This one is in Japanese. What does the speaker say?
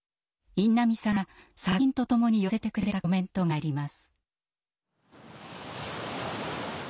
印南さんが作品とともに寄せてくれたコメントがあります。